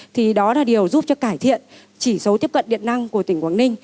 thì đó là điều giúp cho cải thiện chỉ số tiếp cận điện năng của tỉnh quảng ninh